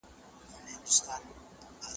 که اخلاق ښه وي نو ملګري نه جلا کیږي.